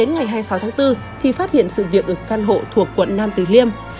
ngày hai mươi sáu tháng bốn thì phát hiện sự việc ở căn hộ thuộc quận nam tử liêm